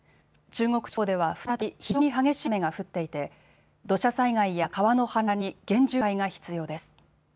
中国地方では再び非常に激しい雨が降っていて、土砂災害や川の氾濫に厳重な警戒が必要です。